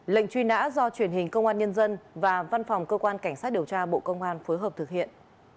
lệnh truy nã do truyền hình công an nhân dân và văn phòng cơ quan cảnh sát điều tra bộ công an phối hợp thực hiện